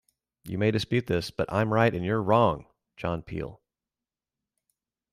You may dispute this, but I'm right and you're wrong! John Peel.